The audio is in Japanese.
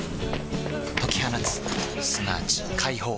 解き放つすなわち解放